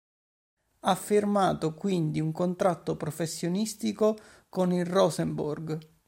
Ha firmato quindi un contratto professionistico con il Rosenborg.